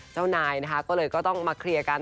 เจ้านายนะคะก็เลยก็ต้องมาเคลียร์กัน